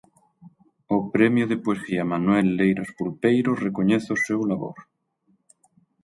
O Premio de Poesía Manuel Leiras Pulpeiro recoñece o seu labor.